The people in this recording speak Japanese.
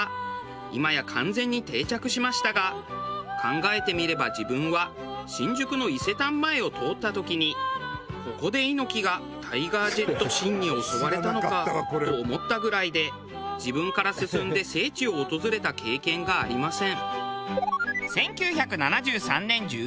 今や完全に定着しましたが考えてみれば自分は新宿の伊勢丹前を通った時にここで猪木がタイガー・ジェット・シンに襲われたのかと思ったぐらいで自分から進んで聖地を訪れた経験がありません。